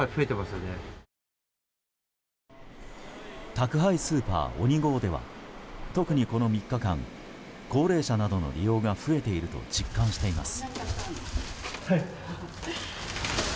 宅配スーパー、ＯｎｉＧＯでは特にこの３日間高齢者などの利用が増えていると実感しています。